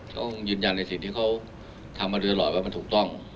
เขาคงยืนยันในสิ่งที่เขาทำมาโดยตลอดว่ามันถูกต้อง